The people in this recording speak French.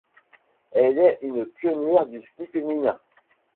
Elle est une pionnière du ski féminin.